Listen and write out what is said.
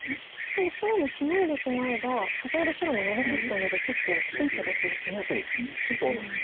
ただ白もシノいでしまえば先ほど白もノビきったので結構いい形ですね。